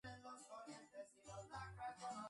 Fue condecorado con la Medalla de la Distinción Laboral.